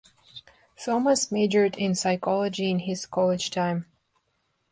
Thomas majored in psychology in his college time.